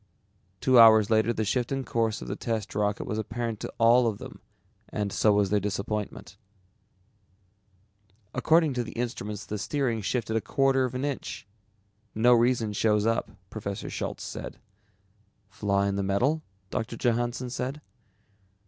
Two hours later the shift in course of the test rocket was apparent to all of them and so was their disappointment. "According to the instruments the steering shifted a quarter of an inch. No reason shows up," Professor Schultz said. "Flaw in the metal?" Doctor Johannsen said.